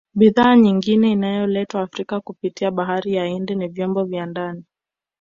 Bidhaa nyingine inayoletwa Afrika kupitia bahari ya Hindi ni vyombo vya ndani